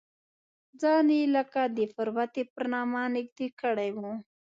ځان یې لکه د پروتې تر نامه نږدې کړی و.